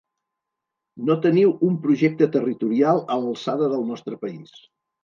No teniu un projecte territorial a l’alçada del nostre país.